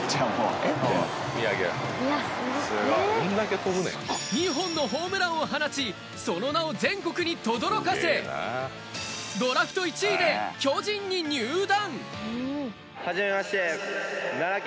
さらに３打席目も２本のホームランを放ち、その名を全国にとどろかせ、ドラフト１位で巨人に入団。